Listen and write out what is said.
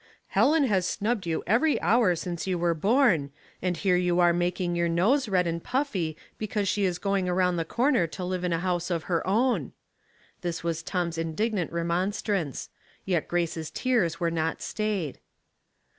'' Helen haa snubbed you every hour since you were born, and here you are making your nose red and puffy because she is going around the corner to live in a house of her own." This was Tom's indignant remonstrance; yet Grace's tears were not stayed.